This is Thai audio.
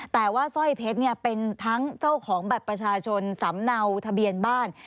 แต่ว่าสร้อยเพชรเป็นทั้งเจ้าของบัตรประชาชนสำเนาทะเบียนบ้าน